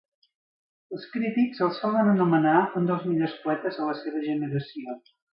Els crítics el solen anomenar un dels millors poetes de la seva generació.